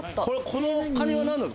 このカニは何なの？